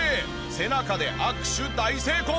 背中で握手大成功！